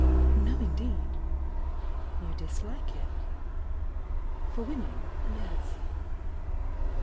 "No, indeed!" "You dislike it?" "For women, — yes."